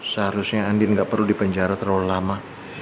seharusnya andien gak perlu di penjara terlalu lama